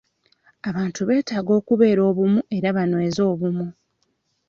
Abantu beetaaga okubeera obumu era banyweze obumu.